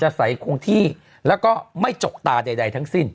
ใสคงที่แล้วก็ไม่จกตาใดทั้งสิ้น